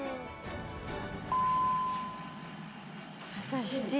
朝７時。